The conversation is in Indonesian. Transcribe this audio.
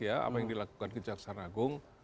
apa yang dilakukan kejaksaan agung